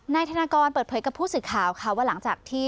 นายธนากรเปิดเผยกับผู้สื่อข่าวค่ะว่าหลังจากที่